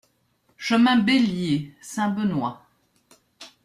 Chemin Bellier, Saint-Benoît